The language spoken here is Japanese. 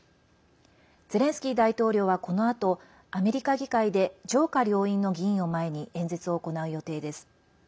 ゼレンスキー大統領は、このあとアメリカ議会で上下両院の議員を前に演説を行う予定です。